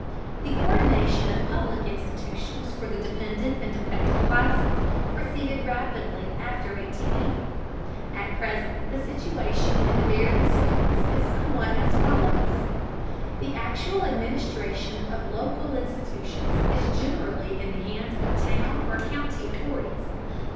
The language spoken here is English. The co÷rdination of public institutions for the dependent and defective classes proceeded rapidly after 1880. At present the situation in the various states is somewhat as follows: The actual administration of local institutions is generally in the hands of the town or county authorities.